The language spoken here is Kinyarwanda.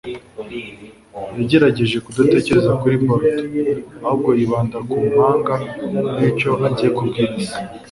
Yagerageje kudatekereza kuri Bordeaux, ahubwo yibanda ku mpanga n'icyo agiye kubwira se.